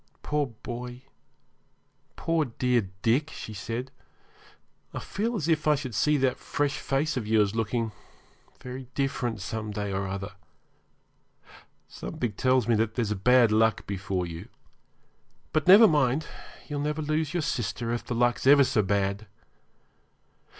'Poor boy poor, dear Dick,' she said, 'I feel as if I should see that fresh face of yours looking very different some day or other. Something tells me that there's bad luck before you. But never mind, you'll never lose your sister if the luck's ever so bad.